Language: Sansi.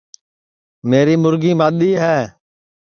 میری مُرگی مادؔی ہے